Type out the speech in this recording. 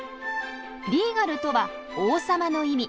リーガルとは「王様」の意味。